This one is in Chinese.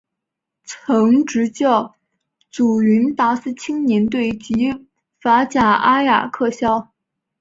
曾执教祖云达斯青年队及法甲阿雅克肖。